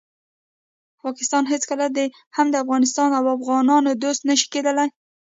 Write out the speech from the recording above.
پاکستان هیڅکله هم د افغانستان او افغانانو دوست نشي کیدالی.